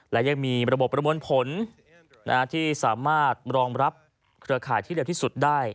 และยังมีระบบประมวลผลที่สามารถรองรับเครือข่ายที่เร็วที่สุดได้